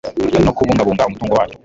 no kubungabunga umutungo waryo